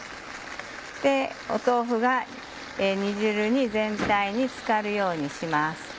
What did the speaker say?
で豆腐が煮汁に全体につかるようにします。